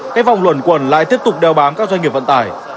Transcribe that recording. cái vòng luẩn quần lại tiếp tục đeo bám các doanh nghiệp vận tải